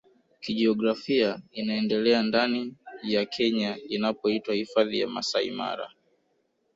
Kijiografia inaendelea ndani ya Kenya inapoitwa Hifadhi ya Masai Mara